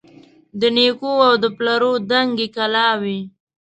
د نیکو او د پلرو دنګي کلاوي